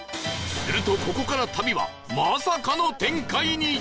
するとここから旅はまさかの展開に！